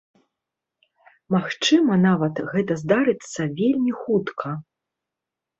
Магчыма нават, гэта здарыцца вельмі хутка.